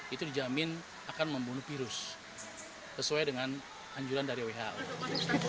itu dijamin akan membunuh virus sesuai dengan anjuran dari who